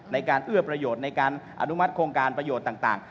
ในการเอื้อประโยชน์ในการอนุมัติโครงการประโยชน์ต่าง